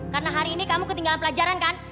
karena hari ini kamu ketinggalan pelajaran kan